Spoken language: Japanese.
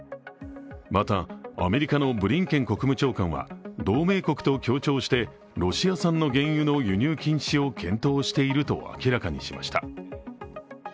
また、アメリカのブリンケン国務長官は同盟国と協調して、ロシア産の原油の輸入禁止を検討していると明らかにしました。